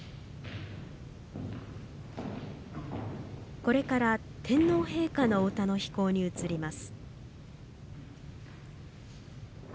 これから天皇陛下のお歌の披講に移ります。